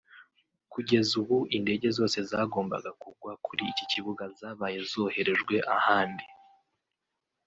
Kugeza ubu indege zose zagombaga kugwa kuri iki kibuga zabaye zoherejwe ahandi